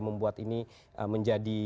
membuat ini menjadi